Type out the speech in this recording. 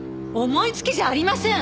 思いつきじゃありません！